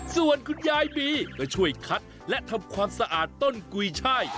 ส่วนคุณยายบีก็ช่วยคัดและทำความสะอาดต้นกุยช่าย